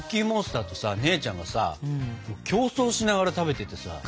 モンスターとさ姉ちゃんがさ競争しながら食べててさ。